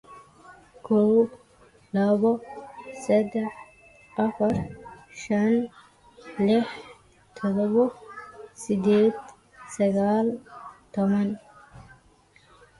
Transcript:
Next month, we are planning a trip to Japan to explore the culture.